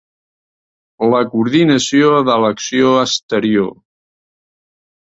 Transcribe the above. La coordinació de l'acció exterior.